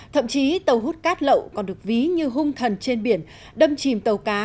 thậm chí tàu hút cát lậu còn được ví như hung thần trên biển đâm chìm tàu cá